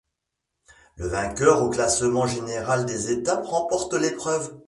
Le vainqueur au classement général des étapes remporte l'épreuve.